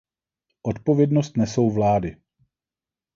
Odpovědnost nesou vlády.